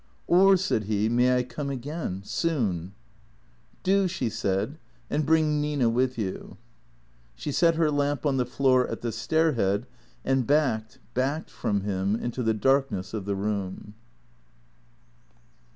" Or," said he, " may I come again ? Soon ?"" Do," she said, " and bring Nina with you." She set her lamp on the floor at the stairhead, and backed, backed from him into the darkness of tlic room.